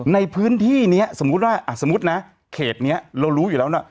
ในพื้นที่นี้สมมุติว่าสมมุตินะเขตนี้เรารู้อยู่แล้วนะ